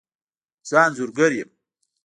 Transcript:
زه انځورګر یم